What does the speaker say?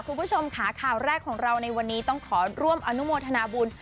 คุณผู้ชมค่ะข่าวแรกของเราในวันนี้ต้องขอร่วมอนุโมทนาบุญ